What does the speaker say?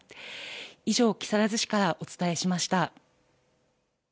以上、木更津市からお伝えしました。